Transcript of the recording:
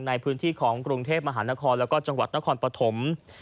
ในพื้นที่ของกรุงเทพมหานครแล้วก็จังหวัดนครปฐม